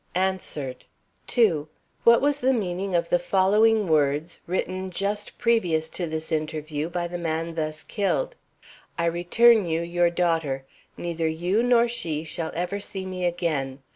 [Sidenote: Answered] 2. What was the meaning of the following words, written just previous to this interview by the man thus killed: "I return you your daughter. Neither you nor she will ever see me again.